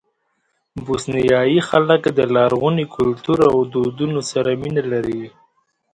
بوسنیایي خلک د لرغوني کلتور او دودونو سره مینه لري.